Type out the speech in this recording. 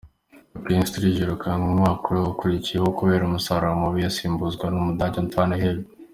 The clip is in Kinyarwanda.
Mckinstry yirukanwe umwaka ukurikiyeho kubera umusaruro mubi asimbuzwa Umudage Antoine Hey.